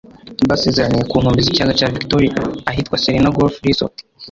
basezeraniye ku nkombe z’Ikiyaga cya Victoria ahitwa Serena Golf Resort